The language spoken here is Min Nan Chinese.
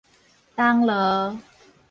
銅鑼